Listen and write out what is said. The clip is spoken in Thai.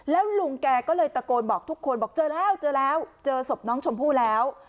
แล้วลุงแกก็เลยตะโกนบอกทุกคนบอกเจอแล้วเจอแล้วเจอศพน้องชมพู่แล้ว